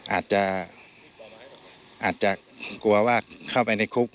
อาจจะอาจจะกลัวว่าเข้าไปในคุก